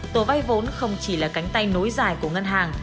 tổ vay vốn không chỉ là cánh tay nối dài của ngân hàng